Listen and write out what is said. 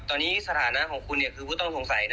ตอนนี้สถานะคุณแหละคือผู้ต้องสงสัยนะ